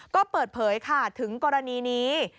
ก็เปิดเผยค่ะถึงกรณีนี้